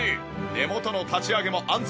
根元の立ち上げも安全。